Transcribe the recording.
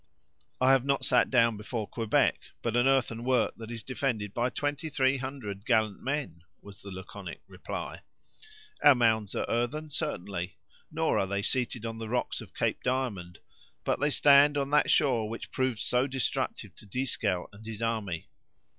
"I have not sat down before Quebec, but an earthen work, that is defended by twenty three hundred gallant men," was the laconic reply. "Our mounds are earthen, certainly—nor are they seated on the rocks of Cape Diamond; but they stand on that shore which proved so destructive to Dieskau and his army.